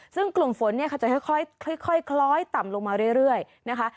ซึ่งกลุ่มฝนเนี่ยค่ะจะค่อยคล้อยต่ำลงมาเรื่อยนะคะ